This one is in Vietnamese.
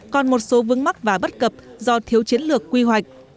còn một số vướng mắc và bất cập do thiếu chiến lược quy hoạch